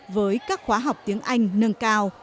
với các khóa học tiếng anh nâng cao